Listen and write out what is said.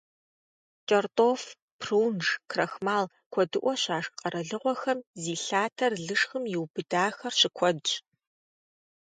КӀэртӀоф, прунж, крахмал куэдыӀуэ щашх къэралыгъуэхэм зи лъатэр лышхым иубыдахэр щыкуэдщ.